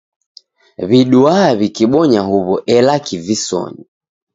W'iduaa w'ikibonya huw'o ela kivisonyi.